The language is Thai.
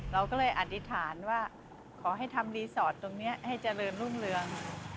เราก็เลยอธิษฐานว่าขอให้ทำรีสอร์ทตรงนี้ให้เจริญรุ่งเรือง